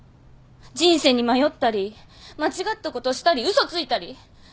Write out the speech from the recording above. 人生に迷ったり間違ったことしたり嘘ついたり。